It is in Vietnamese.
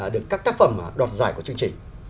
được các tác phẩm đọt giải của chương trình